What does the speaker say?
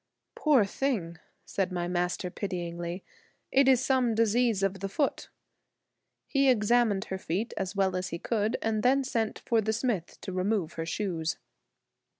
"Poor thing!" said my Master pityingly, "it is some disease of the foot." He examined her feet as well as he could and then sent for the smith to remove her shoes.